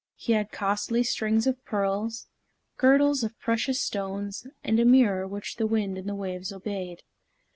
He had costly strings of pearls, girdles of precious stones, and a mirror which the wind and the waves obeyed.